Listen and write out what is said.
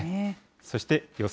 そして予想